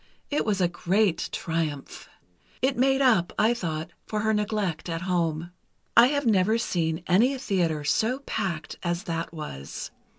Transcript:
It was a great triumph. It made up, I thought, for her neglect at home. I have never seen any theatre so packed as that was.